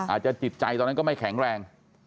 จิตใจตอนนั้นก็ไม่แข็งแรง